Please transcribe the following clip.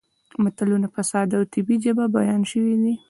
متلونه په ساده او طبیعي ژبه بیان شوي دي